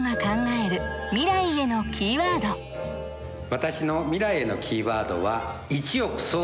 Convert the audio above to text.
私の未来へのキーワードは。